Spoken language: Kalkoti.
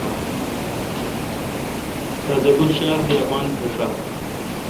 تازہ گل شاخ دی اپان پھشہ۔